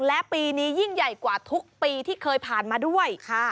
และปีนี้ยิ่งใหญ่กว่าทุกปีที่เคยผ่านมาด้วย